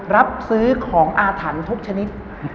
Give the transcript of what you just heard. รับซื้อของอาถรรพ์ทุกชนิด